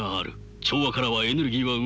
調和からはエネルギーは生まれない。